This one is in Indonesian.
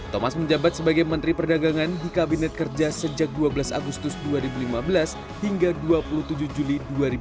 thomas menjabat sebagai menteri perdagangan di kabinet kerja sejak dua belas agustus dua ribu lima belas hingga dua puluh tujuh juli dua ribu dua puluh